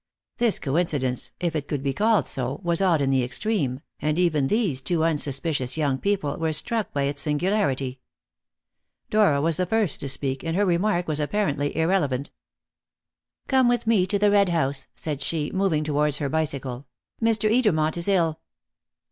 This coincidence if it could be called so was odd in the extreme, and even these two unsuspicious young people were struck by its singularity. Dora was the first to speak, and her remark was apparently irrelevant. "Come with me to the Red House," said she, moving towards her bicycle. "Mr. Edermont is ill."